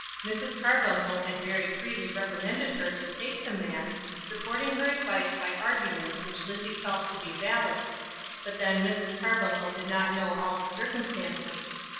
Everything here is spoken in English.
Mrs. Carbuncle had very freely recommended her to take the man, supporting her advice by arguments which Lizzie felt to be valid; but then Mrs. Carbuncle did not know all the circumstances.